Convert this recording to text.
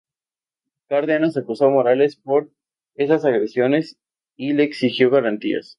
Cárdenas acusó a Morales por esas agresiones y le exigió garantías.